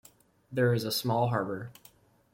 There is a small harbour.